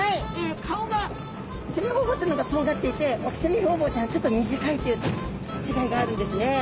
顔がセミホウボウちゃんの方がとんがっていてオキセミホウボウちゃんはちょっと短いっていうちがいがあるんですね。